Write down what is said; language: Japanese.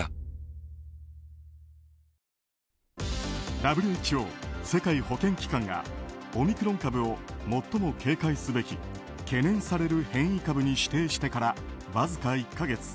ＷＨＯ・世界保健機関がオミクロン株を最も警戒すべき懸念される変異株に指定してからわずか１か月。